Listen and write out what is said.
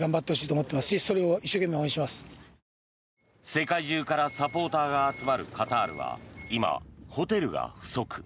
世界中からサポーターが集まるカタールは今、ホテルが不足。